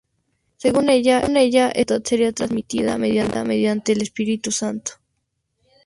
Según ella, esta facultad sería transmitida mediante el Espíritu Santo.